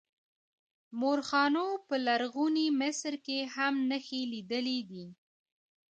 مورخانو په لرغوني مصر کې هم نښې لیدلې دي.